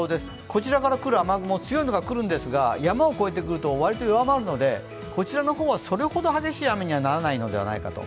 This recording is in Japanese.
こちらから来る雨雲、強いのが来るんですが、山を越えてくると割と弱まるので、こちらの方はそれほど激しい雨にはならないのではないかと。